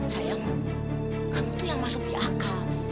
sayang kamu tuh yang masuk di akal